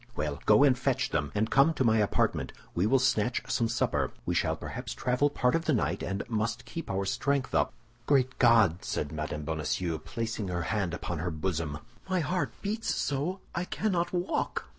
"Well, go and fetch them, and come to my apartment. We will snatch some supper; we shall perhaps travel part of the night, and must keep our strength up." "Great God!" said Mme. Bonacieux, placing her hand upon her bosom, "my heart beats so I cannot walk."